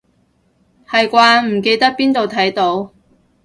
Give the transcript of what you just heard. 係啩，唔記得邊度睇到